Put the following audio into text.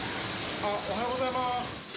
あ、おはようございます。